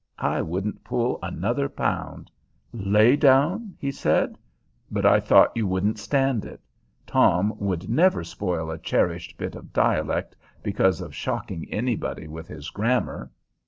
I wouldn't pull another pound." ("Lay down," he said; but I thought you wouldn't stand it. Tom would never spoil a cherished bit of dialect because of shocking anybody with his grammar.)